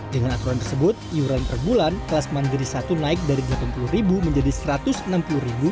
dengan aturan tersebut iuran per bulan kelas mandiri satu naik dari rp delapan puluh menjadi rp satu ratus enam puluh